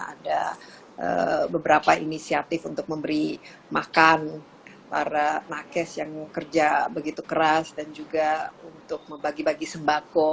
ada beberapa inisiatif untuk memberi makan para nakes yang kerja begitu keras dan juga untuk membagi bagi sembako